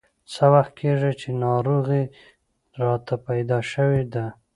څه وخت کېږي چې ناروغي راته پیدا شوې ده.